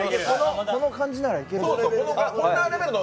こんな感じならいける。